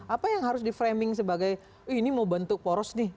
apa yang harus di framing sebagai ini mau bentuk poros nih